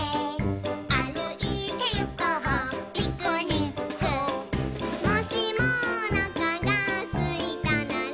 「あるいてゆこうピクニック」「もしもおなかがすいたなら」